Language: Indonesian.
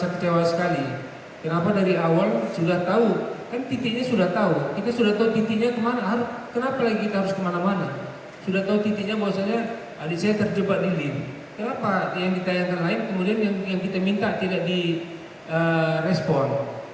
kenapa yang ditayangkan lain kemudian yang kita minta tidak direspon